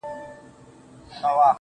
كه د زړه غوټه درته خلاصــه كــړمــــــه,